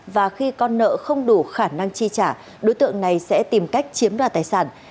và khi con nợ không đủ khả năng chi trả đối tượng này sẽ tìm cách chiếm đoạt tài sản